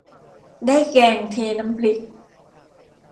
ได้แกงเทน้ำพริก